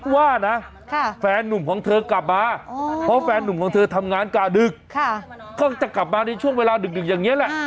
ว่านุ่มของเธอทำงานกะดึกก็จะกลับมาในช่วงเวลาดึกอย่างนี้แหละ